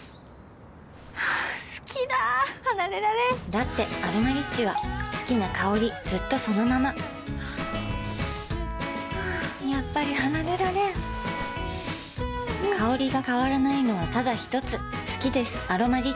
好きだ離れられんだって「アロマリッチ」は好きな香りずっとそのままやっぱり離れられん香りが変わらないのはただひとつ好きです「アロマリッチ」